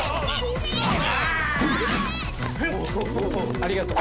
ありがとう。